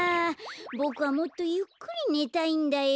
ボクはもっとゆっくりねたいんだよ。